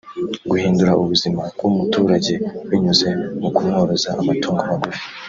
guhindura ubuzima bw’umuturage binyuze mu kumworoza amatungo magufi